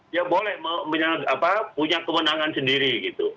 dia boleh punya kemenangan sendiri gitu